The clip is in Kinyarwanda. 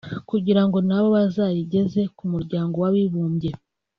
kugira ngo na bo bazayigeze ku muryango w’Abibumbye